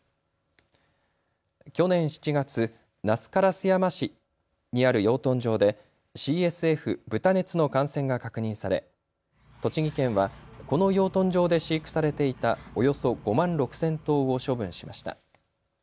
去年７月、那須烏山市にある養豚場でＣＳＦ、豚熱の感染が確認され栃木県はこの養豚場で飼育されていたおよそ５万６０００頭を処分しました。